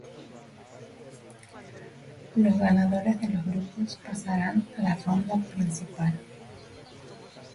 Las ganadoras de los tres grupos pasaran a la ronda principal.